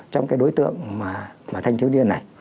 trong cái đối tượng mà thanh thiếu niên này